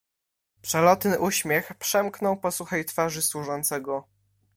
"Przelotny uśmiech przemknął po suchej twarzy służącego."